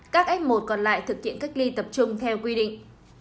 các f một còn lại thực hiện cách ly tập trung theo quy định